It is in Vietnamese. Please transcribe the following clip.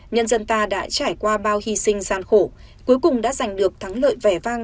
nhân dân ta đã trải qua bao hy sinh gian khổ cuối cùng đã giành được thắng lợi vẻ vang